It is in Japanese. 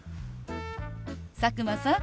佐久間さん